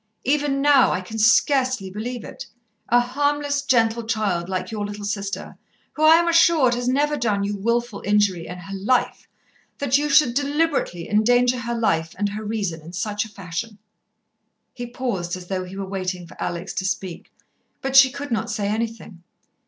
Even now, I can scarcely believe it a harmless, gentle child like your little sister, who, I am assured, has never done you wilful injury in her life that you should deliberately endanger her life and her reason in such a fashion." He paused, as though he were waiting for Alex to speak, but she could not say anything.